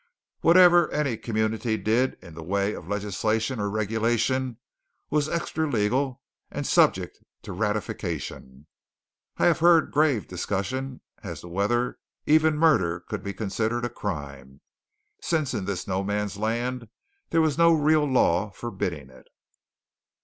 Whatever any community did in the way of legislation or regulation was extra legal and subject to ratification. I have heard grave discussions as to whether even murder could be considered a crime, since in this no man's land there was no real law forbidding it!